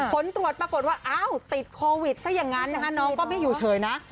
ผลตรวจปรากฏว่าติดโควิดสะยังงั้นนะครับน้องก็ไม่อยู่เฉยนะ